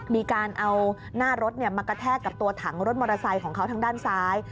มีการเอาหน้ารถมากระแทกกับตัวถังรถมอเตอร์ไซค์ของเขาทางด้านซ้าย